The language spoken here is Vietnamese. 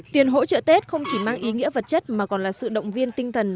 tiền hỗ trợ tết không chỉ mang ý nghĩa vật chất mà còn là sự động viên tinh thần